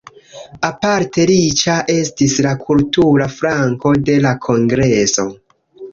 Aparte riĉa estis la kultura flanko de la kongreso.